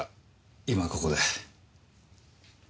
今ここで。